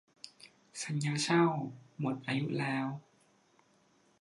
สัญญาเช่าหมดอายุแล้ว